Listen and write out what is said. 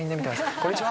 こんにちは。